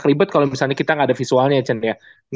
kelibet kalo misalnya kita gak ada visualnya ya